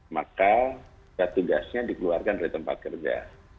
maka tugasnya dikeluarkan dari tempat kerja